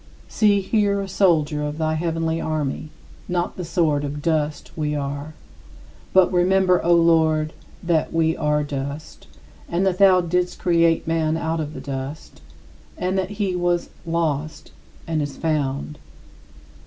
" See here a soldier of the heavenly army; not the sort of dust we are. But remember, O Lord, "that we are dust" and that thou didst create man out of the dust, and that he "was lost, and is found."